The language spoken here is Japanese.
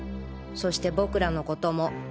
そして僕らのことも。